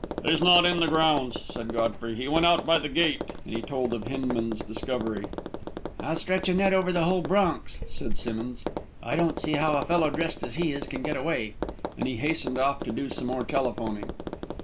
"He's not in the grounds," said Godfrey. "He went out by the gate," and he told of Hinman's discovery. "I'll stretch a net over the whole Bronx," said Simmonds. "I don't see how a fellow dressed as he is can get away," and he hastened off to do some more telephoning.